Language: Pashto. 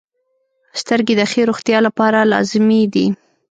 • سترګې د ښې روغتیا لپاره لازمي دي.